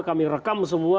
kami rekam semua